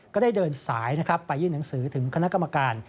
ก็ได้เดินสายนะครับไปยื่นหนังสือถึงคณะกรรมการ